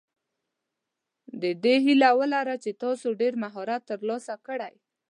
د دې هیله ولره چې تاسو ډېر مهارت ترلاسه کړئ.